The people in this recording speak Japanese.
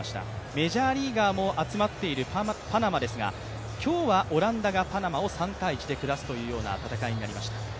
メジャーリーガーも集まっているパナマですが、今日はオランダがパナマを３−１で下すという戦いになりました。